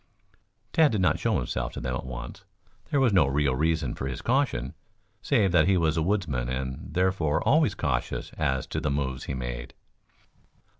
Tad did not show himself to them at once. There was no real reason for his caution, save that he was a woodsman and therefore always cautious as to the moves he made.